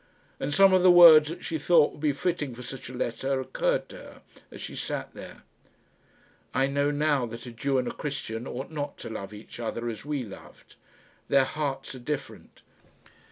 And some of the words that she thought would be fitting for such a letter occurred to her as she sat there. "I know now that a Jew and a Christian ought not to love each other as we loved. Their hearts are different."